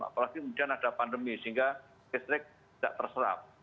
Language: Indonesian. apalagi kemudian ada pandemi sehingga listrik tidak terserap